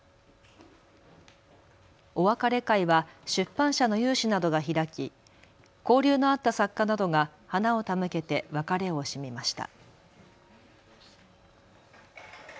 お別れ会は出版社の有志などが開き交流のあった作家などが花を手向けて別れを惜しみました。